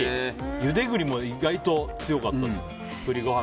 ゆで栗も意外と強かったですね。